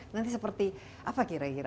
nanti seperti apa kira kira